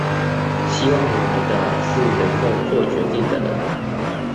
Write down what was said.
希望來的是能夠作決定的人